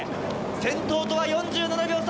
先頭とは４７秒差。